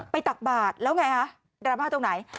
ตักบาทแล้วไงฮะดราม่าตรงไหน